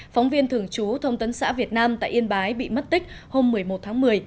phóng viên thường trú thông tấn xã việt nam tại yên bái bị mất tích hôm một mươi một tháng một mươi